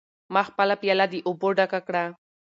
ما خپله پیاله د اوبو ډکه کړه.